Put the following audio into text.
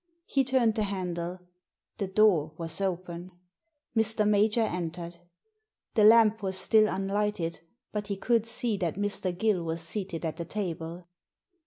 He turned the handle. The door was open. Mr. Major entered. The lamp was still unlighted, but he could see that Mr. Gill was seated at the table.